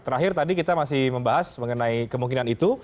terakhir tadi kita masih membahas mengenai kemungkinan itu